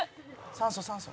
「酸素酸素」